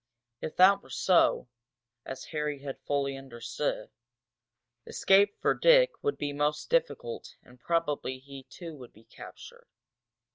If that were so, as Harry had fully understood, escape for Dick would be most difficult and probably he too would be captured.